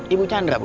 ibu chandra bu